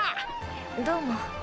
どうも。